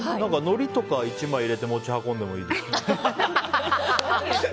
のりとか１枚入れて持ち運んでもいい。